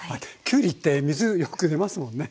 きゅうりって水よく出ますもんね。